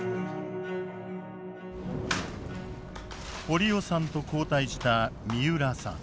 堀尾さんと交代した三浦さん。